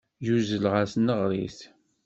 Yuzzel ɣer tneɣrit.